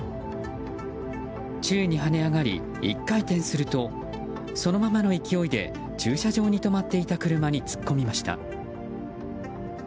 宙に跳ね上がり、１回転するとそのままの勢いで駐車場に止まっていた車に突っ込みました。